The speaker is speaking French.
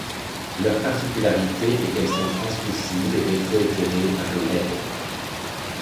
Leur particularité est qu'elles sont translucides et rétro-éclairées par des leds.